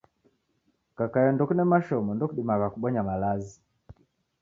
Kakai ndokune mashomo, ndokudumagha kubonya malazi.